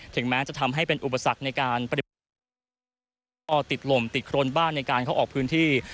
ถึงแม้จะทำให้เป็นอุปสรรคในการติดหล่มติดโครนบ้านในการเข้าออกพื้นที่